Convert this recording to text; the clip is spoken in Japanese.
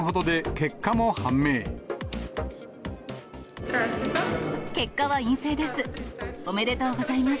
結果は陰性です。